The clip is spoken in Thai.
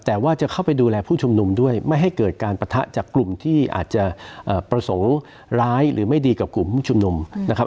แต่ว่าจะเข้าไปดูแลผู้ชุมนุมด้วยไม่ให้เกิดการปะทะจากกลุ่มที่อาจจะประสงค์ร้ายหรือไม่ดีกับกลุ่มผู้ชุมนุมนะครับ